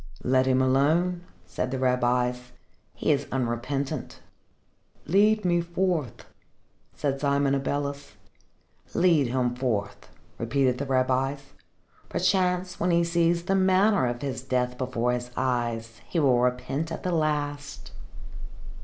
"Let him alone," said the rabbis. "He is unrepentant." "Lead me forth," said Simon Abeles. "Lead him forth," repeated the rabbis. "Perchance, when he sees the manner of his death before his eyes, he will repent at the last."